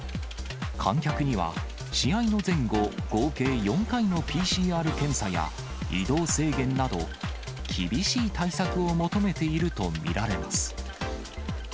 観客には、試合の前後、合計４回のＰＣＲ検査や、移動制限など、厳しい対策を求めていると見られます。